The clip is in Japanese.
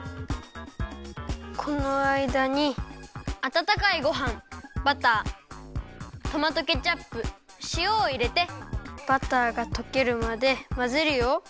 このあいだにあたたかいごはんバタートマトケチャップしおをいれてバターがとけるまでまぜるよ。